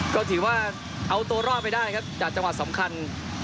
ก็ถือว่าเอาตัวรอดไปได้ครับจากจังหวะสำคัญ